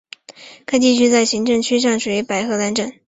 该地在行政区划上属于北荷兰省。